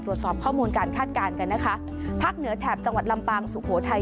ตรวจสอบข้อมูลการคาดการณ์กันนะคะภาคเหนือแถบจังหวัดลำปางสุโขทัย